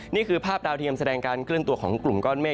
นี่คือภาพดาวเทียมแสดงการเคลื่อนตัวของกลุ่มก้อนเมฆ